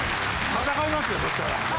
戦いますよそしたら。